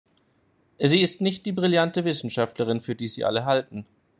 Sie ist nicht die brillante Wissenschaftlerin, für die sie alle halten.